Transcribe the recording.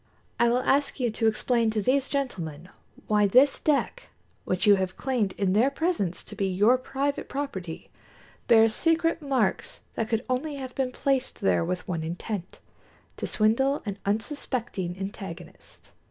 I will ask you to explain to these gentlemen why this deck, which you have claimed in their presence to be your private property, bears secret marks that could only have been placed there with one intent to swindle an unsuspecting antagonist."